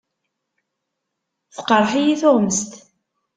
Teqreḥ-iyi tuɣmest.